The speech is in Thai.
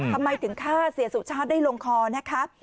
ทำไมถึงฆ่าเสียสุชาติได้ลงคอนะคะ